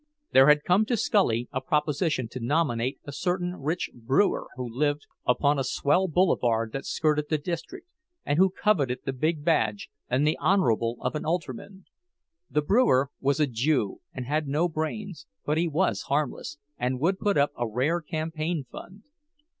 There had come to Scully a proposition to nominate a certain rich brewer who lived upon a swell boulevard that skirted the district, and who coveted the big badge and the "honorable" of an alderman. The brewer was a Jew, and had no brains, but he was harmless, and would put up a rare campaign fund.